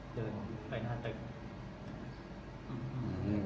สร้างการติดต่อหัวอาจถูกเงิน